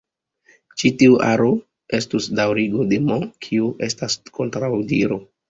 Ĉi tiu aro estus daŭrigo de "M", kio estas kontraŭdiro.